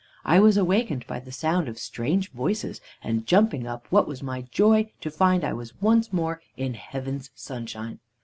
I was awakened by the sound of strange voices, and jumping up, what was my joy to find I was once more in heaven's sunshine.